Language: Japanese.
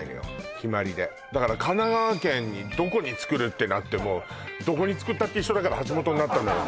決まりでだから神奈川県にどこにつくるってなってもどこにつくったって一緒だから橋本になったのよ